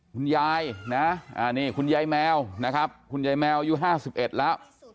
คุณยายนะนี่คุณยายแมวนะครับคุณยายแมวอายุ๕๑แล้ว